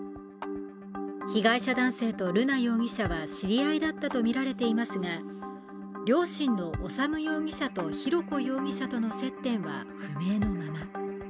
被害者男性と瑠奈容疑者は知り合いだったとみられていますが両親の修容疑者と浩子容疑者との接点は不明のまま。